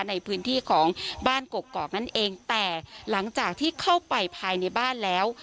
ในพื้นที่ของบ้านกกอกนั่นเองแต่หลังจากที่เข้าไปภายในบ้านแล้ว